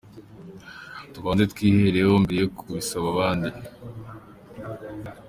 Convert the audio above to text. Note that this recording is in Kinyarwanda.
Tubanze twihereho mbere yo kubisaba abandi.